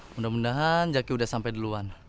mudah mudahan jackie udah sampe duluan